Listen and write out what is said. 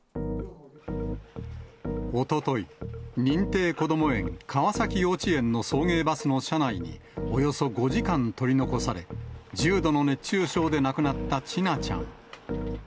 おととい、認定こども園、川崎幼稚園の送迎バスの車内に、およそ５時間取り残され、重度の熱中症で亡くなった千奈ちゃん。